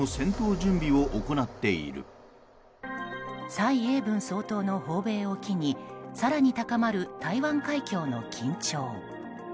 蔡英文総統の訪米を機に更に高まる台湾海峡の緊張。